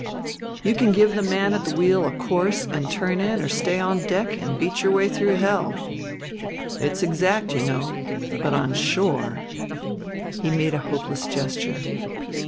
You can give the man at the wheel a course and turn in or stay on deck and beat your way through hell. It's exact, you know, but on shore " he made a hopeless gesture.